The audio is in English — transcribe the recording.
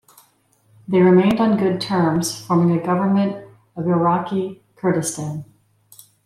They remained on good terms, forming a government of Iraqi Kurdistan.